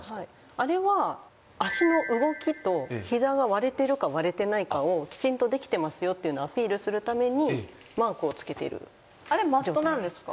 あれは脚の動きと膝が割れてるか割れてないかをきちんとできてますよというのをアピールするためにマークをつけてるあれマストなんですか？